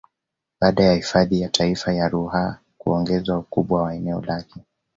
Baada ya hifadhi ya Taifa ya Ruaha kuongezwa ukubwa wa eneo lake